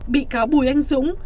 bị cáo bùi anh dũng